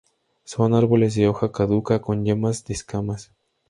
Son árboles de hoja caduca; con yemas de escamas.